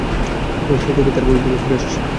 আমরা শুরু থেকেই তার বই প্রকাশ করে আসছি।